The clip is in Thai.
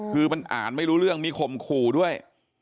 คือมันอ่านไม่รู้เรื่องมีข่มขู่ด้วย